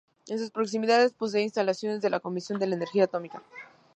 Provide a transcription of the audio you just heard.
En sus proximidades posee instalaciones la Comisión de Energía Atómica.